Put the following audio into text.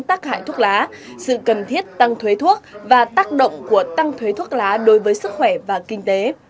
tác hại thuốc lá sự cần thiết tăng thuế thuốc và tác động của tăng thuế thuốc lá đối với sức khỏe và kinh tế